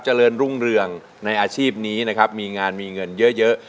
เจริญรุ่งเรืองในอาชีพนี้นะครับมีงานมีเงินเยอะ